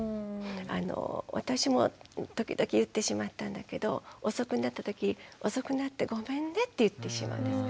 私も時々言ってしまったんだけど遅くなったとき「遅くなってごめんね」って言ってしまうんです。